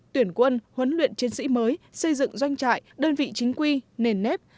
tuyển quân huấn luyện chiến sĩ mới xây dựng doanh trại đơn vị chính quy nền nếp